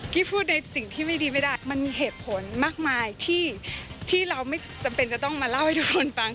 พูดในสิ่งที่ไม่ดีไม่ได้มันมีเหตุผลมากมายที่เราไม่จำเป็นจะต้องมาเล่าให้ทุกคนฟัง